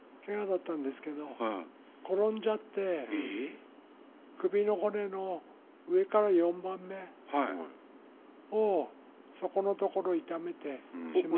けがだったんですけど転んじゃって首の骨の上から４番目をそこのところ傷めてしまって。